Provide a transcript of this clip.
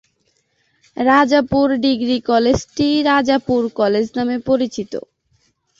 Rajapur degree কলেজটি "Rajapur college" নামে পরিচিত।